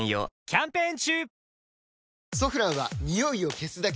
キャンペーン中！